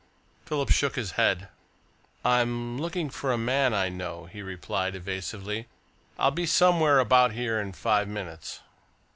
Philip shook his head. "I'm looking for a man I know," he replied evasively. "I'll be somewhere about here in five minutes."